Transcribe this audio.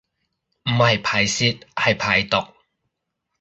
唔係排泄係排毒